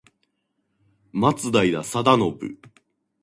松平定信